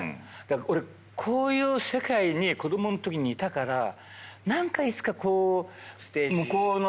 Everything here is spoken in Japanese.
俺こういう世界に子供のときにいたから何かいつかこう。